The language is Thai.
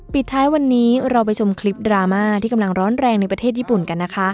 ปิดท้ายวันนี้เราไปชมคลิปดราม่าที่กำลังร้อนแรงในประเทศญี่ปุ่นกันนะคะ